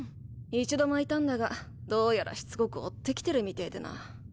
一度まいたんだがどうやらしつこく追ってきてるみてぇでな。